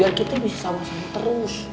biar kita bisa sama sama terus